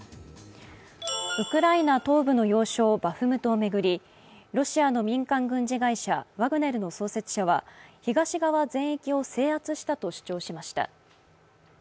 ウクライナ東部の要衝バフムトを巡り、ロシアの民間軍事会社ワグネルの創設者は東側全域を制圧したと主張しました。